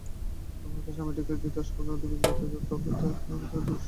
তোমার এমন স্বামীটিকে যদি অসাবধানে বিগড়াইতে দাও, তবে এর পরে কাহাকে দোষ দিবে?